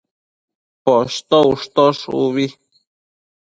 Poshto ushtosh ubi